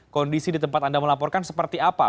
kondisi di tempat anda melaporkan seperti apa